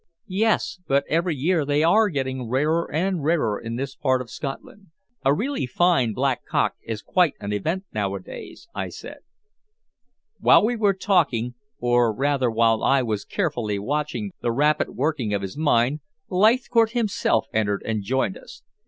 "Yes, but every year they are getting rarer and rarer in this part of Scotland. A really fine black cock is quite an event nowadays," I said. While we were talking, or rather while I was carefully watching the rapid working of his mind, Leithcourt himself entered and joined us.